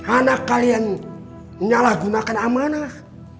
anak kalian menyalahgunakan amanah